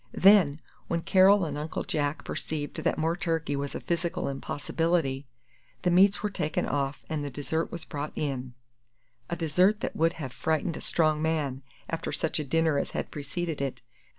Then, when Carol and Uncle Jack perceived that more turkey was a physical impossibility, the meats were taken off and the dessert was brought in a dessert that would have frightened a strong man after such a dinner as had preceded it.